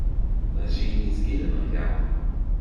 Tá an ghrian níos gile ná an ghealach,